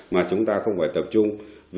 mà chúng ta không phải tập trung